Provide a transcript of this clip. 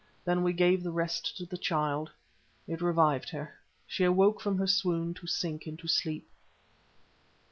Then we gave the rest to the child. It revived her. She awoke from her swoon to sink into sleep.